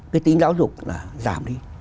cái tính giáo dục là giảm đi